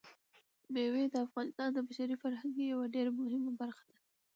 مېوې د افغانستان د بشري فرهنګ یوه ډېره مهمه برخه ده.